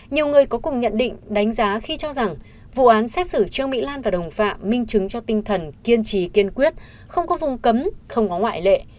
nhiều người có cùng nhận định đánh giá khi cho rằng vụ án xét xử trương mỹ lan và đồng phạm minh chứng cho tinh thần kiên trì kiên quyết không có vùng cấm không có ngoại lệ